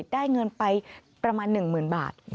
ได้เงินไปประมาณ๑๐๐๐บาท